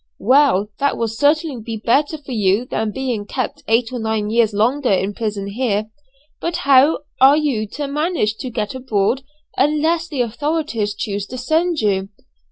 "Well, that will certainly be better for you than being kept eight or nine years longer in prison here; but how are you to manage to get abroad unless the authorities choose to send you?"